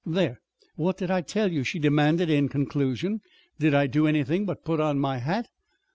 "There, what did I tell you?" she demanded in conclusion. "Did I do anything but put on my hat?"